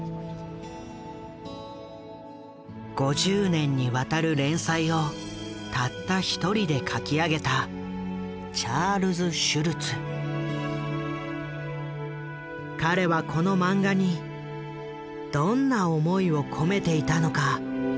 ５０年にわたる連載をたった一人で描き上げた彼はこのマンガにどんな思いを込めていたのか？